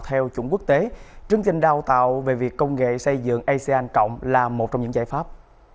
theo chuẩn quốc tế chương trình đào tạo về việc công nghệ xây dựng asean là một trong những giải pháp